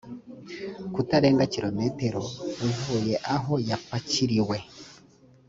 kutarenga kilometero uvuye aho yapakiriwe